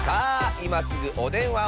いますぐおでんわを。